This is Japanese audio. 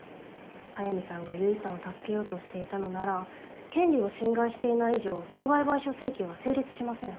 速水さんが結衣さんを助けようとしていたのなら権利を侵害していない以上損害賠償請求は成立しません。